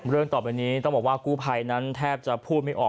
เรื่องต่อไปนี้ต้องบอกว่ากู้ภัยนั้นแทบจะพูดไม่ออก